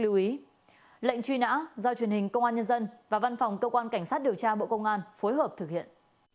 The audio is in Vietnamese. lệnh truy nã do truyền hình công an nhân dân và văn phòng cơ quan cảnh sát điều tra bộ công an phối hợp thực hiện